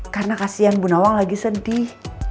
karena kasihan bu nawang lagi sedih